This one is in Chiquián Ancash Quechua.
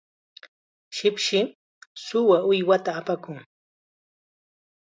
shipshim suwa uywata aparqun.